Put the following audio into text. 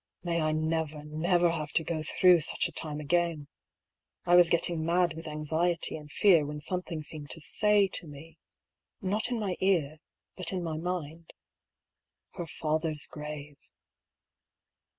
May I never, never have to go through such a time again ! I was getting mad with anxiety and fear when something seemed to say to me — not in my ear, but in my mind :" Her father's grave.